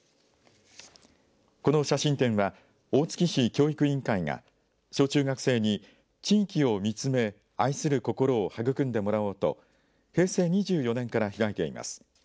この写真展は大月市教育委員会が小中学生に地域を見つめ愛する心を育んでもらおうと平成２４年から開いています。